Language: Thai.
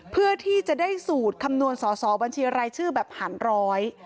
เพื่อที่จะได้สูตรคำนวณสอสอบัญชีรายชื่อแบบหารร้อย